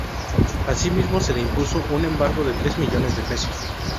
Asimismo, se le impuso un embargo de tres millones de pesos.